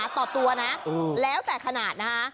ต่อตัวนะแล้วแต่ขนาดนะคะ